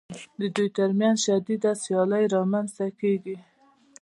د دوی ترمنځ شدیده سیالي رامنځته کېږي